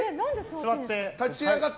座って？